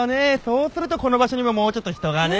そうするとこの場所にももうちょっと人がね。